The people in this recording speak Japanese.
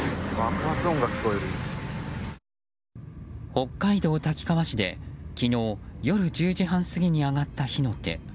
北海道滝川市で昨日夜１０時半過ぎに上がった火の手。